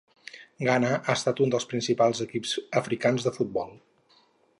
Ghana ha estat un dels principals equips africans de futbol.